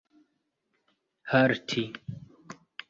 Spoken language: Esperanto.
halti